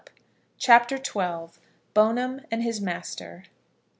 CHAPTER XII. BONE'M AND HIS MASTER.